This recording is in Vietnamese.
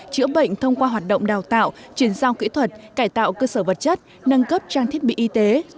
chữa bệnh thông qua hoạt động đào tạo chuyển giao kỹ thuật cải tạo cơ sở vật chất nâng cấp trang thiết bị y tế